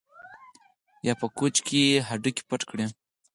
یا په کوچ کې هډوکي پټ کړي